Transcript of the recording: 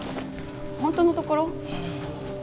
本当のところ？